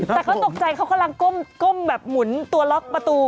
แต่เขาตกใจเขากำลังก้มแบบหมุนตัวล็อกประตู